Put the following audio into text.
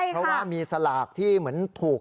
เพราะว่ามีสลากที่เหมือนถูก